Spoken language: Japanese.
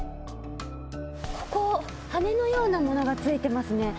ここ羽根のようなものがついていますね。